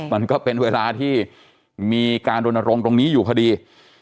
มันก็เป็นเวลาที่มีการรณรงค์ตรงนี้อยู่พอดี